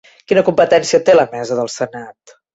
Quina competència té la mesa del senat?